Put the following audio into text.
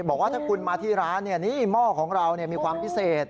บอกว่าถ้าคุณมาที่ร้านหม้อของเรามีความพิเศษ